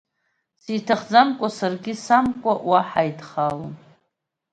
Сиҭахӡамкәа, саргьы самкуа, уа ҳааидхалалон.